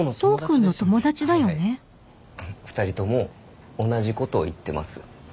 ２人とも同じことを言ってます。